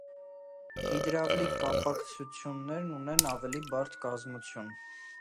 Հիդրավլիկ կապակցանյութերն ունեն ավելի բարդ կազմություն։